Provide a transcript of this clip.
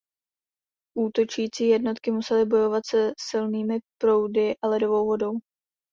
Útočící jednotky musely bojovat se silnými proudy a ledovou vodou.